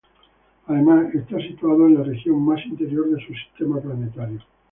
Además, está situado en la región más interior de su sistema planetario.